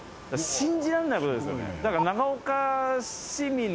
信じられないことですよね。